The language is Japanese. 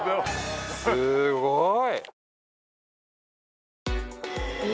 すごい！